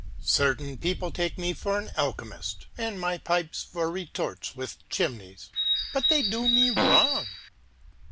Certain people take me for an alchemist, and my pipes for retorts with chimneys; but they do me wrong.